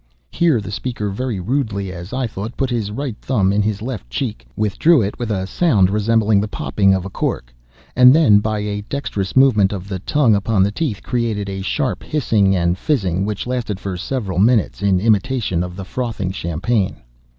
Here the speaker, very rudely, as I thought, put his right thumb in his left cheek, withdrew it with a sound resembling the popping of a cork, and then, by a dexterous movement of the tongue upon the teeth, created a sharp hissing and fizzing, which lasted for several minutes, in imitation of the frothing of champagne.